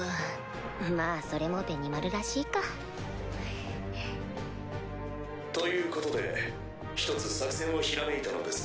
まぁそれもベニマルらしいかということで１つ作戦をひらめいたのですが。